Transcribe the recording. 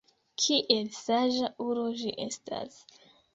Kiel saĝa ulo ĝi estas!